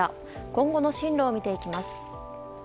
今後の進路を見ていきます。